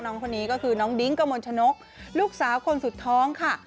น้องคนนี้ก็คือน้องดิ้งกระมวลชนกลูกสาวคนสุดท้องค่ะ